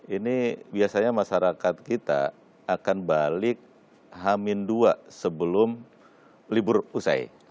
ini biasanya masyarakat kita akan balik hamin dua sebelum libur usai